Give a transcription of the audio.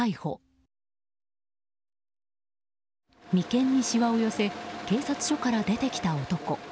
眉間にしわを寄せ警察署から出てきた男。